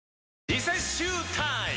リセッシュータイム！